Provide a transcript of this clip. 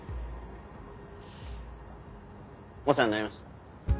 お世話になりました。